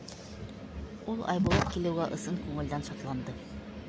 Ул Айбулат килеүгә ысын күңелдән шатланды.